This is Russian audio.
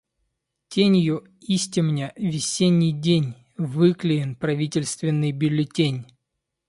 Тенью истемня весенний день, выклеен правительственный бюллетень.